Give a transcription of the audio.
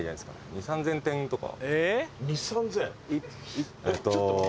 ２０００３０００点とか。